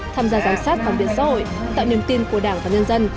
tham gia giám sát và phản biệt xã hội tạo niềm tin của đảng và nhân dân